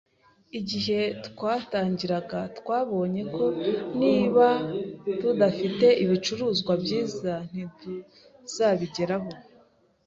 Igihe twatangiraga, twabonye ko niba tudafite ibicuruzwa byiza, ntituzabigeraho.